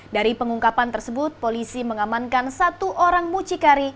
dari pengungkapan tersebut polisi mengamankan satu orang mucikari